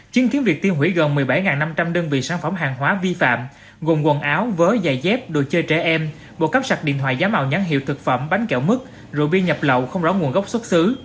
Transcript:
chứng kiến việc tiêu hủy gần một mươi bảy năm trăm linh đơn vị sản phẩm hàng hóa vi phạm gồm quần áo vớ giày dép đồ chơi trẻ em bộ cắp sạc điện thoại giá màu nhắn hiệu thực phẩm bánh kẹo mứt rượu bia nhập lậu không rõ nguồn gốc xuất xứ